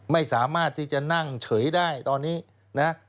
ไม่สามารถที่จะนั่งเฉยได้ตอนนี้นะ